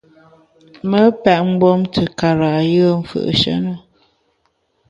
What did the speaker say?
Me pèt mgbom te kara’ yùe m’ fù’she ne.